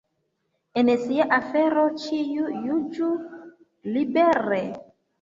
En sia afero ĉiu juĝu libere.